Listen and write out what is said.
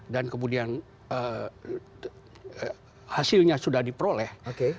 dan kemudian hasilnya sudah diperoleh